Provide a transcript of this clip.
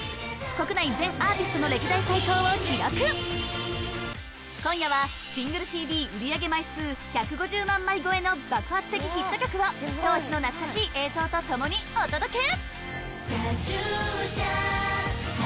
国内全アーティストの歴代最高を記録今夜はシングルＣＤ売上枚数１５０万枚超えの爆発的ヒット曲を当時の懐かしい映像とともにお届け！